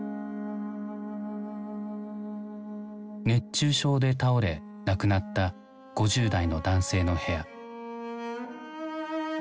熱中症で倒れ亡くなった５０代の男性の部屋。